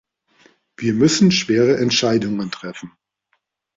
Wir müssen schwere Entscheidungen treffen.